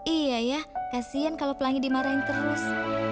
iya ya kasian kalau pelangi dimarahin terus